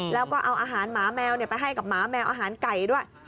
แล้วก็เอาอาหารหมาแมวไปให้กับหมาแมวอาหารไก่ด้วย